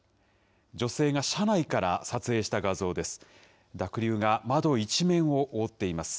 女性が車内から撮影した画像です。